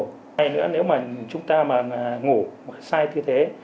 thứ hai nữa nếu mà chúng ta ngủ sai tư thế